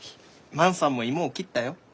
万さんも芋を切ったよ。